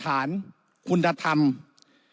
แต่การเลือกนายกรัฐมนตรี